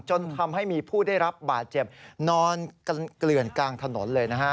จนทำให้มีผู้ได้รับบาดเจ็บนอนกันเกลื่อนกลางถนนเลยนะฮะ